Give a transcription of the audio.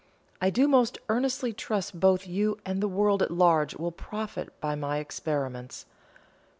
I do most earnestly trust both you and the world at large will profit by my experiments."